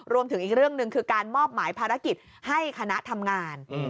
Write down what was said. รวมถึงอีกเรื่องหนึ่งคือการมอบหมายภารกิจให้คณะทำงาน